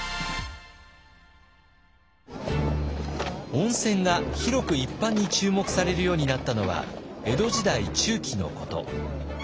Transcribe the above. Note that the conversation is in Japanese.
温泉が広く一般に注目されるようになったのは江戸時代中期のこと。